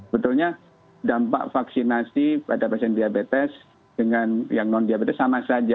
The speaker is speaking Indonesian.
betulnya dampak vaksinasi pada pasien diabetes dengan yang non diabetes sama saja